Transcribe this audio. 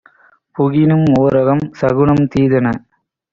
புகினும் ஓர்அகம் - சகுனம் தீதென